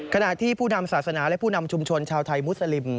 ขณะที่ผู้นำศาสนาและผู้นำชุมชนชาวไทยมุสลิม